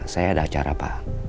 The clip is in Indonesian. saya ada acara pak